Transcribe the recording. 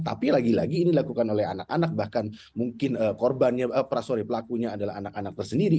tapi lagi lagi ini dilakukan oleh anak anak bahkan mungkin korbannya prasori pelakunya adalah anak anak tersendiri